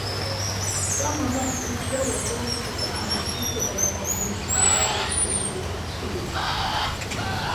Там она встречала Вронского и испытывала волнующую радость при этих встречах.